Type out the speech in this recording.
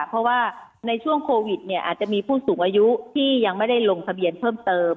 เพราะว่าในช่วงโควิดเนี่ยอาจจะมีผู้สูงอายุที่ยังไม่ได้ลงทะเบียนเพิ่มเติม